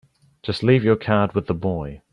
Just leave your card with the boy.